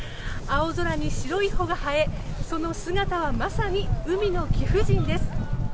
青空に広い帆が生え、その姿はまさに海の貴婦人です。